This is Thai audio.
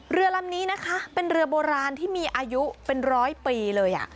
เรือลำนี้นะคะเป็นเรือโบราณที่มีอายุเป็นร้อยปีเลย